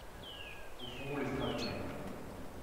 Au fond, l’estrade du maire.